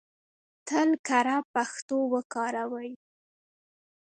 تل کره پښتو وکاروئ!